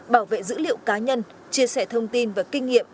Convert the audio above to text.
bảo vệ dữ liệu cá nhân chia sẻ thông tin và kinh nghiệm